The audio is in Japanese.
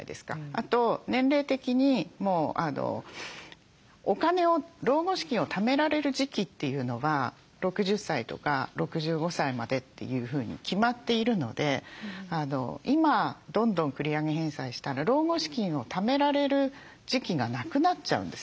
あと年齢的にお金を老後資金をためられる時期というのは６０歳とか６５歳までというふうに決まっているので今どんどん繰り上げ返済したら老後資金をためられる時期がなくなっちゃうんですね。